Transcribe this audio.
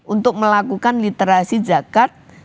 untuk melakukan literasi zakat